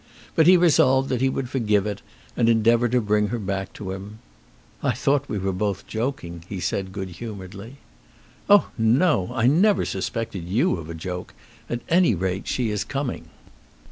But he resolved that he would forgive it and endeavour to bring her back to him. "I thought we were both joking," he said good humouredly. "Oh, no! I never suspected you of a joke. At any rate she is coming."